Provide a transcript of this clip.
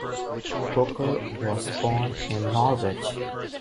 Hooker was born in Norwich.